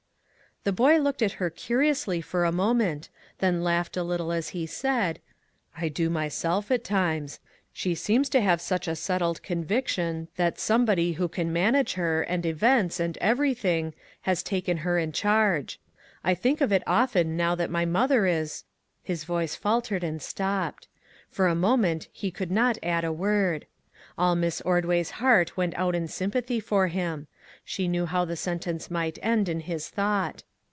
The boy looked at her curiously for a mo ment, then laughed a little as he said :" I do myself, at times. She seems to have such a set tled conviction that Somebody who can man age her, and events, and everything, has taken her in charge. I think of it often now that my mother is " his voice faltered and stopped ; for a moment he could not add a word. All Miss Ordway's heart went out in sympathy for him ; she knew how the sentence might end in his thought.